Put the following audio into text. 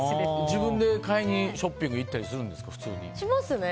自分で買いに、ショッピング行ったりするんですか。